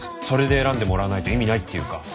それで選んでもらわないと意味ないっていうか。